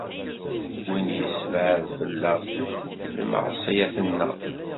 Win i yessebɛed fell-aɣ lmeɛṣeyyat-nneɣ.